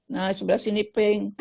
nah sebelah sini pink